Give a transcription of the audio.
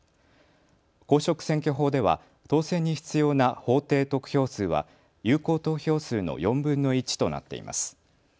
公職選挙法では当選に必要な法定得票数は有効投票数の４分の１となっています。